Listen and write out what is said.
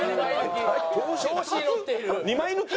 ２枚抜き？